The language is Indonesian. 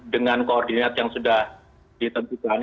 dengan koordinat yang sudah ditentukan